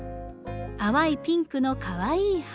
淡いピンクのかわいい花。